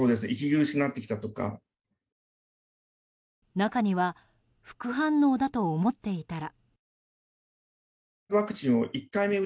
中には副反応だと思っていたら。